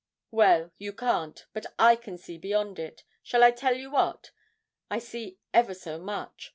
Well, you can't; but I can see beyond it shall I tell you what? I see ever so much.